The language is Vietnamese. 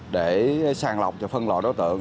để sàng lọc và phân lọc đối tượng